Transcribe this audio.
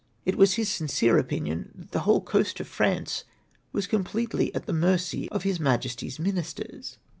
It was his sincere opinion, that the whole coast of France was com pletely at the mercy of His Majesty's ministers.